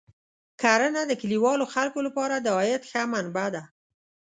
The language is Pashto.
کرنه د کلیوالو خلکو لپاره د عاید ښه منبع ده.